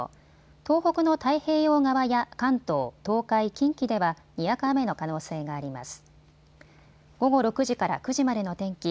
東北の太平洋側や関東、東海、近畿ではにわか雨の可能性があります。